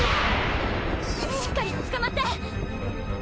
うぅしっかりつかまって！